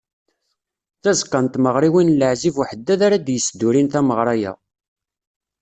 D tzeqqa n tmeɣriwin n Laɛzib Uheddad ara d-yesdurin tameɣra-a.